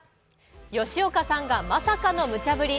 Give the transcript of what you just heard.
吉岡さんがまさかのむちゃぶり。